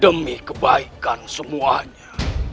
demi kebaikan semuanya